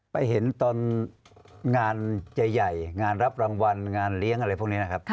ไปเห็นตอนงานใหญ่งานรับรางวัลงานเลี้ยงอะไรพวกนี้นะครับ